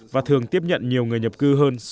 và thường tiếp nhận nhiều người nhập cư hơn